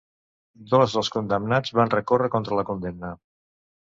Dos dels condemnats van recórrer contra la condemna.